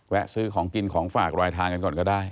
ซื้อของกินของฝากรายทางกันก่อนก็ได้